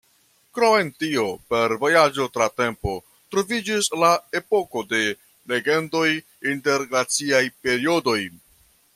Krom tio, per vojaĝo tra tempo troviĝis la Epoko de Legendoj inter glaciaj periodoj.